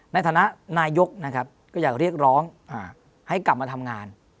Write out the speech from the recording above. ในฐานะนายยกก็อยากเรียกร้องให้กลับมาทำงาน